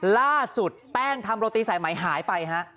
ล่าสุดแป้งทำโรตีสายไหมหายไปฮะ